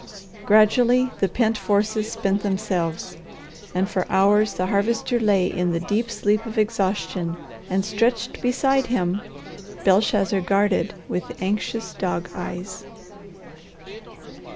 Gradually the pent forces spent themselves, and for hours the Harvester lay in the deep sleep of exhaustion, and stretched beside him, Belshazzar guarded with anxious dog eyes.